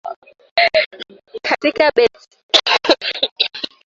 Katika bajeti ya nyongeza ambayo ilisainiwa na Raisi Kenyatta Aprili nne